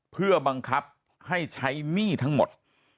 เพื่อบังคับให้ใช้หนี้ทั้งหมด